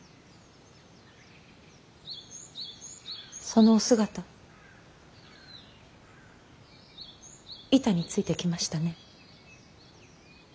そのお姿板についてきましたね。